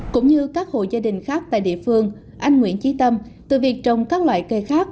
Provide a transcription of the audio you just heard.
cũng như các hộ gia đình khác tại địa phương anh nguyễn trí tâm từ việc trồng các loại cây khác